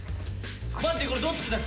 待ってこれどっちだっけ？